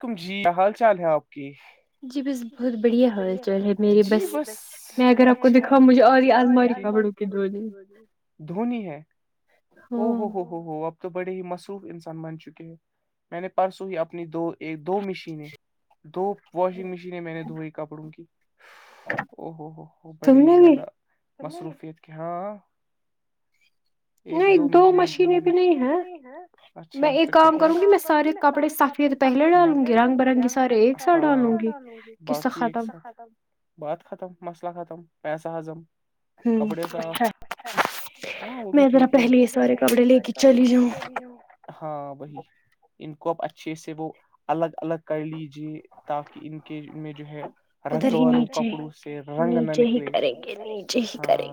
کم جی کیا حال چال ہے آپ کی ج بہت بڑھیا ہو س اگر آپ کو دکھا مجھے اور دونی ہے او ہو ہو ہو ہو اب تو بڑے ہی مصروف انسان بن چکے ہیں میں نے پرسوں ہی اپنی دو ایک دو مشینیں دو واشنگ مشینیں میں نے دھوئی کپڑوں کی او ہوو ہو ہو بڑی ہی زیادہ مصروفیت کی ہاں ایک دو مشین دو مشین بھی نہیں ہے اچھا کام کروں گی میں سارے کپڑے بق پہلے ڈالوں گی رنگ برنی ساری ڈالوں گی بقی ایک بہت ختم مسئلہ ختم پیسہ ہضم کپڑے سا ہاں وہ بھی ٹھیک ہے میں ذا پہلے ایک سارے کپڑے لے کے چلی ہوں ہاں وہی ان کو اب اچھے سے وہ الگ الگ کر لیجے تاکہ ان کے ان میں جو ہے رنگ والو کپڑو سے رنگ نہ نکلے ہاں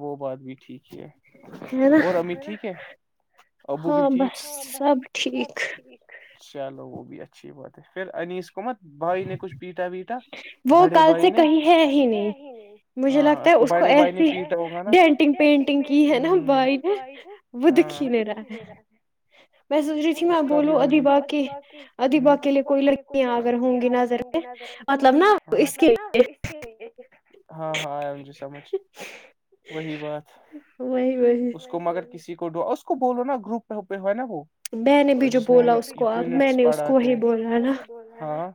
وہ بات بھی ٹھیک ہے اور امی ٹھیک ہے ابو بھی ٹھیک ہاں بس سب ٹھیک چلو وہ بھی اچھی بات ہے پھر انیس کو مت بھائی نے کچھ پیٹا ویٹا بڑے بھائی نے کہ ہی نہیں ہاں اس کو بڑے بھائی نے پیٹا ہوگا نا گ پینٹنگ کی ہے نا بائی نے وہ دکھی نہیں رہا ہے میں سوچ رہی تھی میں بولو ادھی باغ کے ادھی باغ کے لیے کوئی لگی اگر ہ یہ اگر ہوں گی نظر مطلب نا اس کے لی ہاں ہاں ج سمجھ ج وہی بات ہوح ب ہی اس کو مگر کسی کو ڈوا اس کو بولو نا گروپ پہ ہے نا وہ جس میں ہمیں یونٹس پڑھا تھا ہاں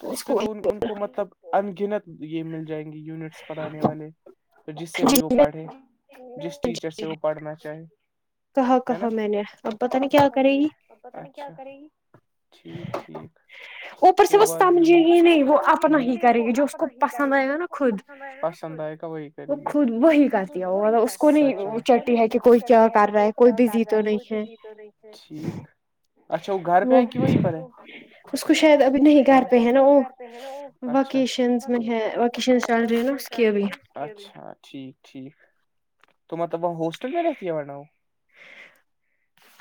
تو اس پہ تو ان کو مطلب انگنت یہ مل جائیں گی یونٹس پڑھانے والے تو جس سے بھی وہ پڑھے جس ٹیچر سے وہ پڑھنا چاہے کہا کہا میں نے اب پتہ نہیں کیا کرے گی کیا کرے گی ٹھیک ٹھیک اوپر سے وہ سمجھے گی نہیں وہ اپنا ہی کرے گی جو اس کو پسند آئے گا نا خود پسند آئے گ وہی کرے گی سچ ب چٹی ہے کہ کوئی کیا کر رہا ہے کوئی بھی جیت نہیں ہے اچھا وہ گھر پہ ہے کی وہی پر ہے اس کو شاید ابھی نہیں کر پہ ہیں نا وہ اچھا وکیشن وکیشن اچھا ٹھیک ٹھیک توب ہوسٹل میں رہتی ہےاوں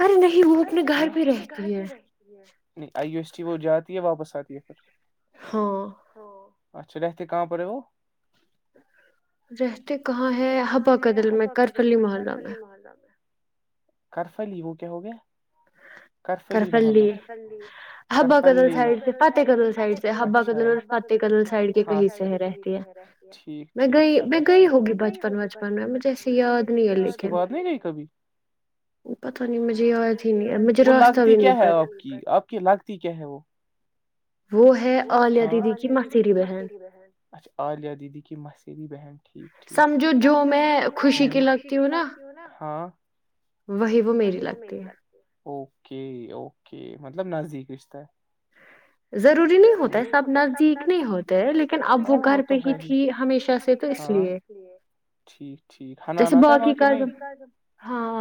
ارے نہیں وہ اپنے گھر پہ رہتی ہے نہیں آئی یو ایس ٹی وہ جاتی ہے واپس آتی ہے پھر ہاں اچھا رہتے کہاں پر ہے وہ رہتے کہاں ہے ہبا قدل میں کرپلی محلہ میں [inaudible] کرف علی وہ کیا ہو گیا کرفلی محلہ با کڈ سے فح ک سےبا فح ک کے کہ کہ رہا ٹھیک ٹھیک چلو میں گئی ہوگی بچپن وچپن میںھے اس کے بعد نہیں گئی کبھی پتا نہیں مجے وہ لاگتی کیا ہے آپ کی آپ کی لاگتی کیا ہے وہ وہ ہے االیا دیدی کی مسیری بہن [inaudible] اچھ عالیہ دیدی کی مسیریی بہن ٹھیک سمجھو جو میں خوشی کے لگتی ہوں نا ہاں وہی وہ میری لگتی ہے اوکے اوکے مطلب نزدیک رشت ہے ضروری نہیں ہوتا ہے سب نزدیک نہیں ہوتے ہے لیکن اب وہ گھر پہ ہی تھی ہمیشہ سے تو اس لیے ٹھیک ٹھیک ہناا تھا ہے وہاں کہ نہیں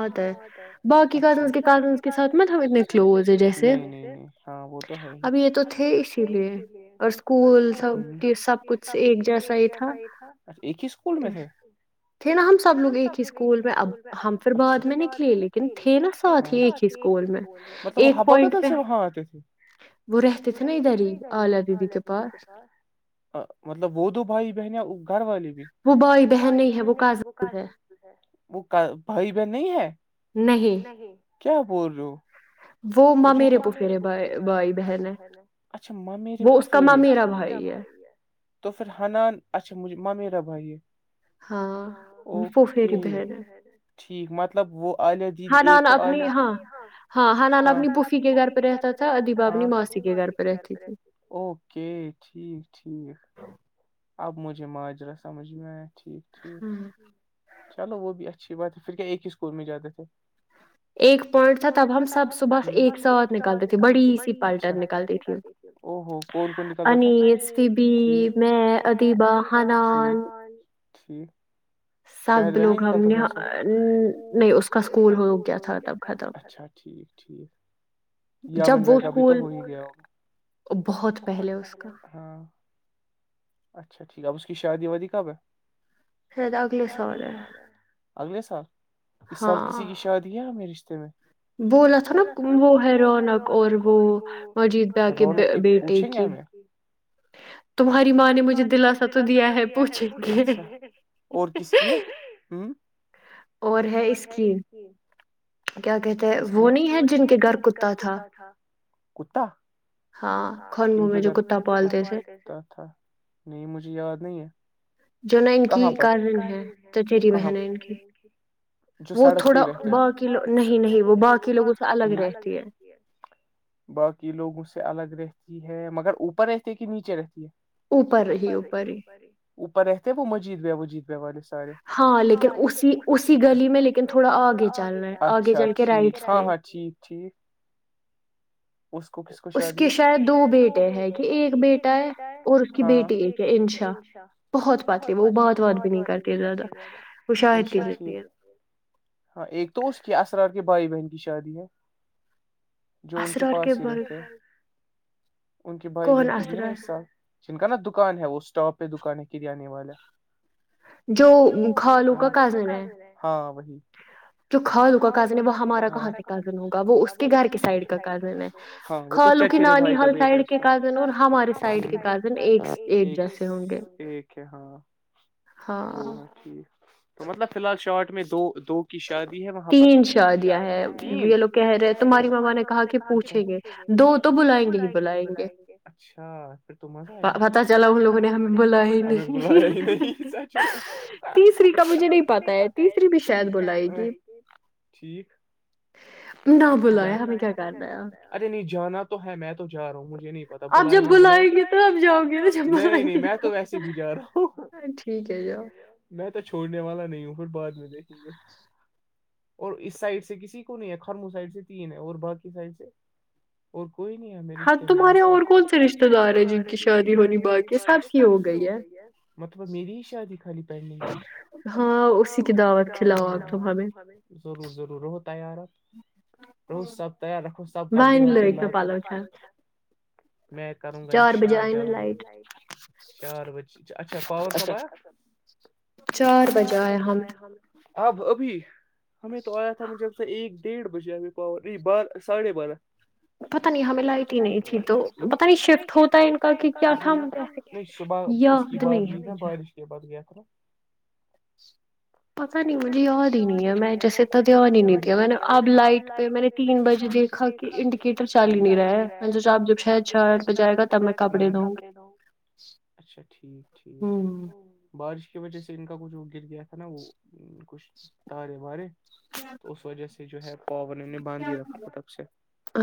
ہاں وہت ہے باقی کار کے کان کے ساتھ میں خدنے ہاں وہ تو ہے ہی اب یہ تو تھے اسی لیے اور اسکول سب سب کچھ ایک جیسا ہی تھا [unintelligible] اچ ایک ہی اسکول میں تھے تھے نا ہم سب لوگ ایک ہی اسکول میں اب ہم پھر بعد میں نکلے لیکن تھے نا ساتھ ہی ایک ہی اسکول میں ایک پوائنٹ پہ ہاںتے تھھی [unintelligible] وہ رہتے تھے ن ادھر [unintelligible] [unintelligible] ی کے پاس مطلب وہ دو بھائی بہن یا گھر والے بھی [unintelligible] وہ بھائی بہن نہیں ہے وہ کاضل وہ بھائی بہن نہیں ہے نہیں کیا بول رہی ہو وہ ماں میرے پفرے ب بھائی بہن ہے وہ اس کا ماں میرا بھائی ہے [inaudible] تو پھر حنان اچھا مجھے م میرا بھائیے [unintelligible] اوکے ٹھیک مطلب وہ عالیہ [unintelligible] جی ایک تو [unintelligible] ہاں سالا اپنی پوفھی کے گھر پہ رہتا تھا اپنی ماسی کے گھر پہ رہتی تھ اوکے ٹھیک ٹھیک اب مجھے ماجرہ سمجھ میں آ ٹھیک ٹھیک چلو وہ بھی اچھی بات ہے پھر کیا ایک ہی اسکور میں جاتے تھے ایک پوائنٹ تھا تب ہم سب صبح بس ایک ساتھ نکلتی ت بڑی اچھیر نکلتی ت ا کون کون انیس فبی میں ادیبا ہنان شاید وہ نہیں نکلتا تھا نہیں اس کا اسکول ہو گیا تھاب اچھا ٹھیک یامن وگا بھی تو ہو ہی گیا بہت پہلے ہاں اچھا ٹھیک ہے اب اس کی شادی وادی کب ہے شاید اگلے سال ہے اگلے سال اس سال کسی کی شادی ہے ہمیں رشتے میں بولا تھا نا وہ ہے رونک اور وہ مجید بھیا کے بیٹے کی تمہاری ماں نے مجھے دلاسا تو دیا ہے پوچھیں گے اور ہے اس کی کیا کہتے وہ نہیں ہے جن کے گھر کتا تھا کتا ہاں کن کے گھر پالتے تھے نہیں مجھے یاد نہیں ہے جو نا ان کی کازن ہے چچیری بہن ہے ان کی وہ تھوڑا باقی نہیں نہیں وہ باقی لوگوں سے الگ رہتی ہے باقی لوگ اس سے الگ رہتی ہے مگر اوپر رہتی ہے کہ نیچے رہتی ہے اوپر ہی اوپر ہی اوپر رہتےے وہ مجید بیا وجید بیا والس ہاں لیکن اسی اسی گلی میں لیکن تھوڑا آگے چل رہا ہے اچھا ٹھیک ہاں ہاں ٹھیک ٹھیک اس کو کس کو شادی ہے کہ شاید دو بیٹے ہیں کہ ایک بیٹا ہے ہاں کی بیٹی انشا بہت باتیں وہ بات وات بھی نہیں کرتی ہے زیادہ انشا [unintelligible] ہاں ایک تو اس کے اسرار کے بھائی بہن کی شادی ہے جو ان کے پاس ہی رہتے ہیں ان کے بھائی بہن کی بھی نا اس سال جن کا نا دکان ہے وہ اسٹاپ پہ دکان ہے کرانے والا جو گالو کا کازن ہے ہاں وہی جو کھال ہوگا کزن ہے وہ ہمارا کہاں سے کزن ہوگا وہ اس کے گھر کے سائڈ کا کزن ہے ہاں وہ تو چچرے بھائی کا بیٹ ہےلل ایک ہے ہاں وہ ہے ٹھیک تو مطلب فی الحال شارٹ میں دو دو کی شادی ہے وہاں پر تین شادیاں ہیں تین یہ لوگ کہہ رہے ہیں تمہاری ماما نے کہا کہ پوچھ دو تو بلائیں گے ہی بلائیں گے اچھا پھر تو مزہ آئے گا پتا چلا ان لوگوں نے ہم بلا بلایا ہی نہیں سچ میں سب کا مجھے نہیں پ تیسری بھی شاید بلائے گی ٹیکل لیا کیا کر د ارے نہیں جانا تو ہے میں تو جا رہا ہوں مجھے نہیں پتا بلائے نہ بلائے نہیں نہیں میں تو ویسے ہی بھی جا رہا ہوں ٹھیک ہے جا میں تو چھوڑنے والا نہیں ہوں پھر بعد میں دیکھی اور اس سائڈ سے کسی کو نہیں ہے خرمو سائڈ سے تین ہے اور بای سائڈ سے اور کوئی نہیں ہمیں رشتے میں تارے اور کون سے رشتے دار ہیں جن کی شادی ہونی باقی یہ کرھر کی ہو گئی ہے مطلب میری ہی شادی خالی ہاں اسی کی دعوت کھلاؤ آپ تم ہمیں ضرور ضرور رہ تیار آپ رو سب تیار رکھو سب کبڈی وبڈی ل کر میں کروں گا انشاء اللہ جلدی چار بجے اچھا پاور کبایا چار بجے آیا ہم ہم میں اب ابھی ہمیں تو آیا تھا مجھےب سے ایک ڈیڑھ بجے ہمھی پاور بارہ ساڑھے بارہ پتا نہیں ہمیں لائٹ ہی نہیں تھی تو پتا نہیں شفٹ ہوتا ہے ان کا کہ کیا تھاے نہیں صبح اس کی بع گئی تھا بارش کے بعد گیا تھا پتا نہیں مجھے یاد ہی نہیں ہے میں جیسے اتنا دھیان ہی نہیں دیا میں نے اب لائٹ پہ میں نے تین بجے دیکھا کہ انڈیکیٹر چال ہی نہیں رہا ہے آپ ج ش ش جائے گا تب میں کپڑے دوں گی اچھا ٹھیک ٹھیک بارش کی وجہ سے ان کا کچھ وہ گر گیا تھا نا وہ کچھ تارے وارے [inaudible] اس وجہ سے جو ہے پاور نے باندھ ہی رکھا تھا تب سے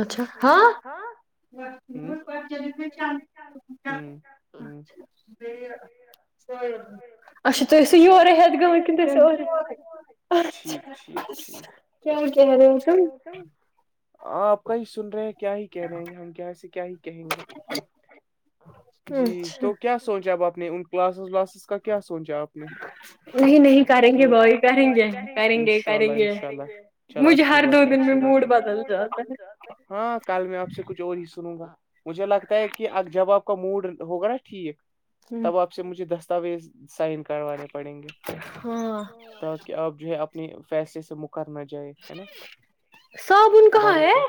اچھا ہاں ہ ہوں ہ اچھا تی او ور ہت گا کن ٹھیک ٹھیک ٹھیک رہے آپ کا ہی سن رہے ہیں کیا ہی کہہ رہے ہیں ہم کیے کیا ہی کہیں گے جی تو کیا سوچا اب آپ نے ان کلاسز ولاسز اس کا کیا سوچا آپ نےیں انشاء اللہ انشاء اللہ چلو اچھی بات ہے ا مڈ ب ہاں کل میں آپ سے کچھ اور ہی سنوں گا مجھے لگتا ہے کہ جب آپ موڈ ہوگا نا ٹھیک تب آپ سے مجھے دستاویز سائن کروانے پڑیں گے تاکہ آپ جو ہے اپنے فیصلے سے کر نہ جائے ہےا بھروسا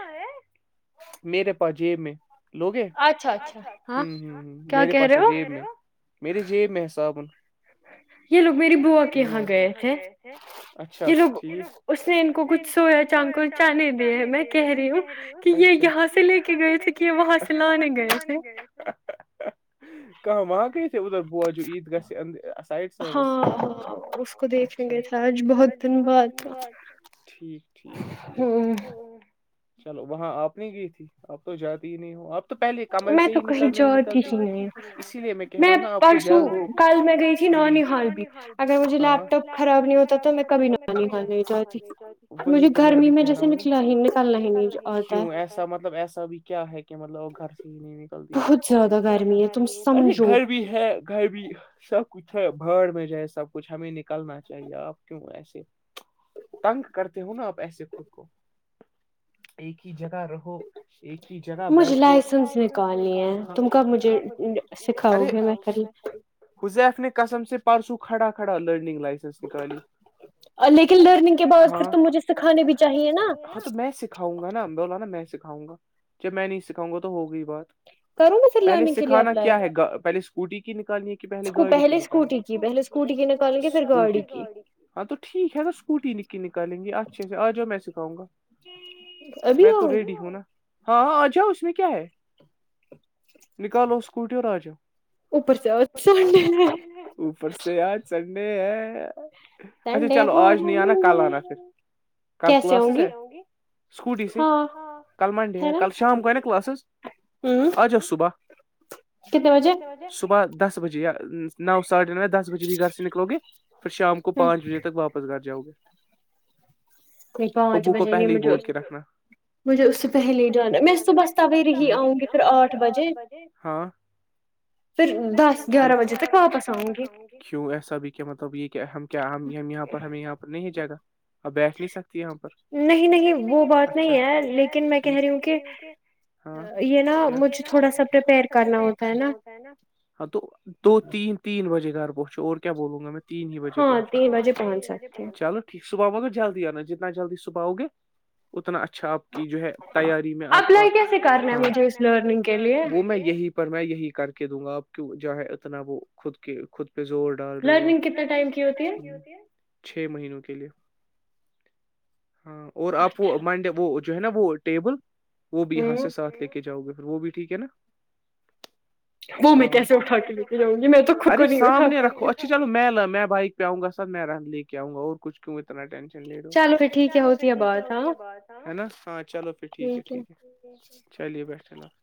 میرے پاس جیب میں لوگے ہ ہ ہ میرے پاس ہے جیب میں میریے جیب میں حسابن یہ لوگ میری بوا کے یہاں گئے تھے اچھا یہ لوگ اس نے ان کو کچھ سویا چانک چانے دیے میں کہہ رہی ہوں یہ یہاں سے لے کے گئے تھ کہ وہاں سے لانے [inaudible] کہماں کہ [unintelligible] ے س آج بہت دن بات ٹھیکٹھیک چلو وہاں آپ نہیں گئی تھی آپ تو جاتی ہی نہیں ہو آپ تو پہلے کمرے سے ہی نکل نہیں نکلتی اسی لیے میں کل میں تھی نال بھی مجھے لیپ ٹاپ خراب نہیں ہوتا تھا تو بھی کہ رہا ہوں ایسا مطلب ایسا بھی کیا ہے کہ مطلب گھر سے ہی نہیں نکلتی کچ ز گرمی ہے بھی ہے گھر بھی سب کچھ ہے بہاڑ میں جائے سب کچھ ہمیں نکلنا چاہیے آپ کیوں ایسے تنگ کرتے ہو نا آپ ایسے خود کو ایک ہی جگہ رہو ایک ہی جگہ بیٹھو لائسنس نکالنی تم کا مجھے حزیف نے کسم سے پارسو کھڑا کھڑا لرنگ لائف [unintelligible] کالی لیکن ڈرنے بع مجھے سکھانے بھی چاہیے تو میں سکھاؤں گا نا میں بولا نا میں سکھاؤں گا جب میں نہیں سکھاؤں گا تو ہوگئی ہی بات پہلے سکھانا کیا ہے پہلے اسکوٹی کی نکالنی ہے پہلے گاڑی کے پہلے اسکوٹی کی پہ اسکوٹی کےے گاڑی ہاں تو ٹھیک ہے نا اسکوٹی نکالیں گی اچھے سے آ جاؤ میں سکھاں گا [unintelligible] میں تو ریڈی ہوں نا ہاں ہاں آ جاؤ اس میں کیا ہے نکالو اسکوٹیوں اور ا جاؤ اوپر سے اج سنڈے ہے اوپر سے آج چڑھنے ہے اچھا چلو آج نہیں آنا کل آنا پھر کال کلو آسی سے اسکوٹی سے کل منڈے ہے کل شام کو ہے نا کلاسز آچ جا صبح کتنے بجے صبح دس بجے یا نو ساڑھے نو دس بجے بھی گھر سے نکلو گے پھر شام کو پانچ بجے تک واپس گھر جاؤ گے ابو کو پہلے ہی بول کے رکھنا مجھے اس سے پہلے ہی جانا ہے میں صبح تویر ہی آؤں گی پھر آٹھ بجے پھر دس گیارہ بجے تک آپس آؤں گی کیوں ایسا بھی کیا مطلب یہ کہ ہم کیا ہم یہاں پر ہمیں یہاں پر نہیں جائے گا ا بیٹھ نہیں سکتی یہاں پر نہیں نہیں وہ بات نہیں ہے لیکن میں کہہ رہی ہوں کہ یہ نا مجھے تھوڑا سا پرپیئر کرنا ہوتا ہے نا نا ہاں تو دو تین تین بجے گھر پہنچو اور کیا بولوں گا میں تین ہی بجے پہنچو چلو ٹھیک صبح ہوگر جلدی آنا جتنا جلدی صبح آؤگے اتنا اچھا آپ کی جو ہے تیاری میں آپ کا مجھے کیسے کرنا ہے اس لرننگ کو وہ میں یہیں پہ پر میں یہی کر کے دوں گا آپ کی ج ہے اتنا وہ خود کے خود پہ زور ڈال رہے ہو لرننگ کتنا ٹائم کی ہوتی ہے چھ مہینوں کے لیے ہاں اور آپ وہ منڈے وہ جو ہے نا وہ ٹیبل وہ بھی یہاں سے ساتھ لے کے جاؤ گے پھر وہ بھی ٹھیک ہے نا ہاں ارے سامنے رکھو اچھا چلو میں لا میں بائک پہ آؤں گا س میں رہن لے کے آؤں گا اور کچھ کیوں اتنا ٹینشن لے لو چلو پھر ٹھیک ہے ہوتی ہے بہت ہے نا ہاں چلو پھر ٹھیک ہے ٹھیک ہے چلیے بٹھے اللہ حافظ